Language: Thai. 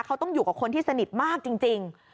เขาต้องอยู่กับคนที่สนิทมากจริง